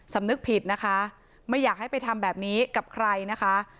สำนึกผิดนะคะไม่อยากให้ไปทำแบบนี้กับใครนะคะ